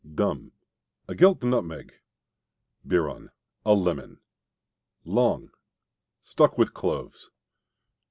Dum: A gilt nutmeg. Biron: A lemon. Long: Stuck with cloves.